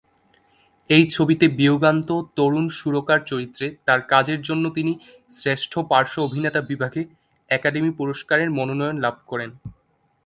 এই ছবিতে বিয়োগান্ত তরুণ সুরকার চরিত্রে তার কাজের জন্য তিনি শ্রেষ্ঠ পার্শ্ব অভিনেতা বিভাগে একাডেমি পুরস্কারের মনোনয়ন লাভ করেন।